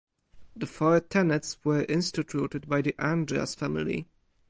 The Four Tenets were instituted by the Andras family.